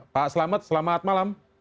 pak selamat selamat malam